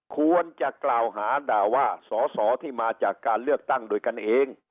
ควรจะกล่าวหาด่าว่าสอสอที่มาจากการเลือกตั้งโดยกันเอง